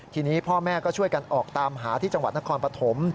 ทีนี้พ่อแม่ก็ช่วยกันออกตามหาที่จังหวัดนครปฐม